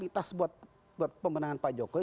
kita kan totalitas buat pemenangan pak jokowi